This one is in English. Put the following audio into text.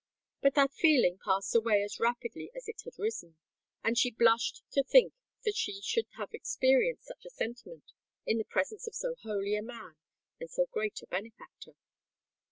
But that feeling passed away as rapidly as it had arisen; and she blushed to think that she should have experienced such a sentiment in the presence of so holy a man and so great a benefactor.